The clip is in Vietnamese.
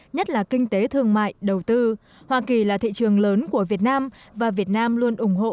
nhất là kinh tế thương mại đầu tư hoa kỳ là thị trường lớn của việt nam và việt nam luôn ủng hộ